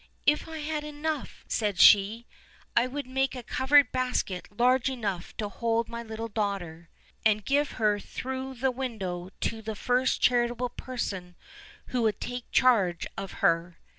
"If I had but enough," said she, "I would make a covered basket large enough to hold my little daughter, and give her through the window to the first charitable person who would take charge of her."